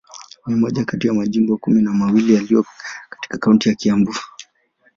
Ni moja kati ya majimbo kumi na mawili yaliyo katika kaunti ya Kiambu.